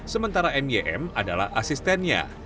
sementara mym adalah asistennya